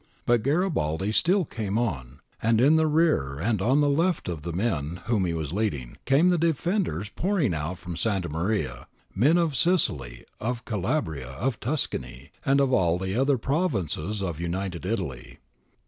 But Garibaldi still came on, and in the rear and on the left of the men whom he was leading, came the defenders pouring out from Santa Maria, men of Sicily, of Calabria, of Tuscany, and of all the other provinces of United Italy.